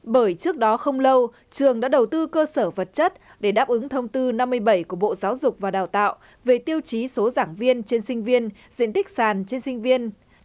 bởi trước đó không lâu trường đã đầu tư cơ sở vật chất để đáp ứng thông tư năm mươi bảy của bộ giáo dục và đào tạo về tiêu chí số giảng viên trên sinh viên